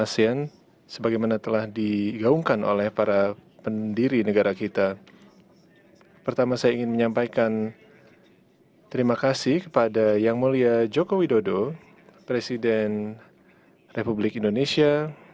pertama saya ingin menyampaikan terima kasih kepada yang mulia joko widodo presiden republik indonesia